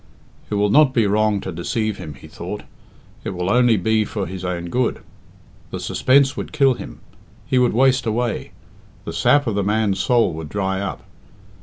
"It will not be wrong to deceive him," he thought. "It will only be for his own good. The suspense would kill him. He would waste away. The sap of the man's soul would dry up.